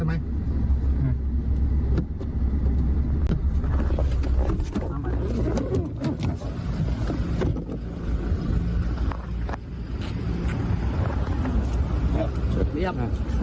ถ่ายรูป